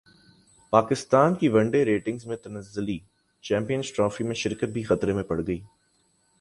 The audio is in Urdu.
پاکستان کی ون ڈے رینکنگ میں تنزلی چیمپئنز ٹرافی میں شرکت بھی خطرے میں پڑگئی